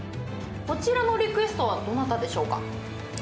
こちらのリクエストはどなたでしょうか？